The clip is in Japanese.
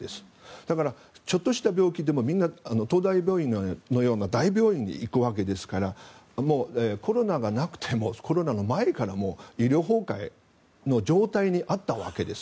だからちょっとした病気でもみんな東大病院のような大病院に行くわけですからコロナがなくてもコロナの前から医療崩壊の状態にあったわけです。